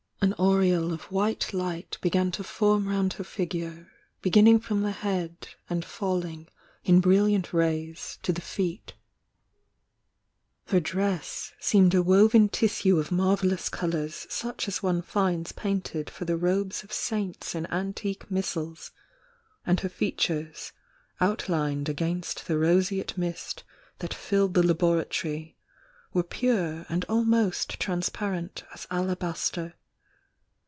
An aure ole of white light began to form round her figure, beginning from the head and falling in brilliant rays to the feet, — her dress seemed a woven tissue of marvellous colours such as one finds painted for the robes of saints in antique missals, and her features, outlined against the roseate mist that filled the lab oratory, were pure and almost transparent as ala baster.